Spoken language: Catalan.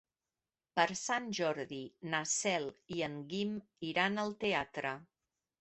Per Sant Jordi na Cel i en Guim iran al teatre.